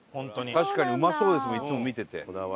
確かにうまそうですもんいつも見てて。